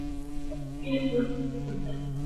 Anaendelea kutaja baadhi ya watu mashuhuri